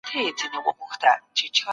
موږ باید په کورنیو تولیداتو وياړ وکړو.